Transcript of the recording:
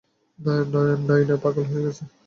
নায়না পাগল হয়ে গেছে?